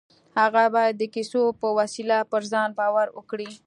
هغه بايد د کيسو په وسيله پر ځان باور کړي.